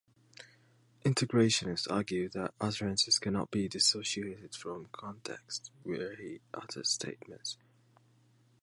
Integrationists argue that utterances cannot be dissociated from the context where he utters statements.